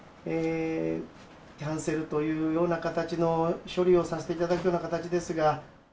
キャンセルというような形の処理をさせていただくような形ですが。